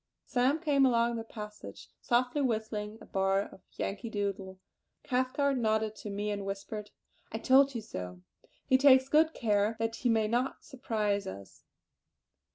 Sam came along the passage softly whistling a bar of "Yankee Doodle." Cathcart nodded to me and whispered: "I told you so! He takes good care that he may not surprise us."